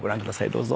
どうぞ。